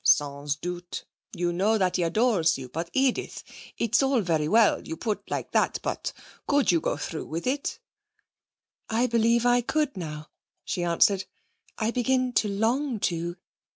'Sans doute. You know that he adores you. But, Edith, it's all very well you put like that but could you go through with it?' 'I believe I could now,' she answered. 'I begin to long to.